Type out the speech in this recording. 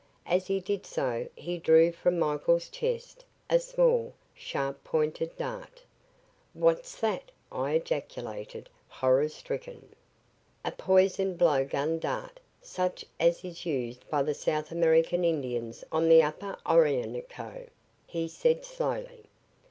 As he did so, he drew from Michael's chest a small, sharp pointed dart. "What's that?" I ejaculated, horror stricken. "A poisoned blow gun dart such as is used by the South American Indians on the upper Orinoco," he said slowly.